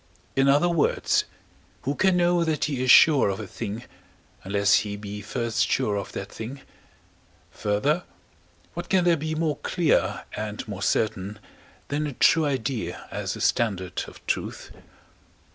In other words, who can know that he is sure of a thing, unless he be first sure of that thing? Further, what can there be more clear, and more certain, than a true idea as a standard of truth?